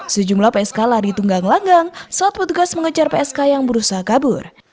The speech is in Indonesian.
sejumlah psk lari tunggang langgang saat petugas mengejar psk yang berusaha kabur